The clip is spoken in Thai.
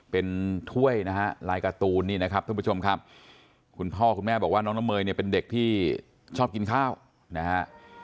เป็นถ้วยนะฮะลายการ์ตูนนี่นะครับท่านผู้ชมครับคุณพ่อคุณแม่บอกว่าน้องน้ำเมยเนี่ยเป็นเด็กที่ชอบกินข้าวนะฮะ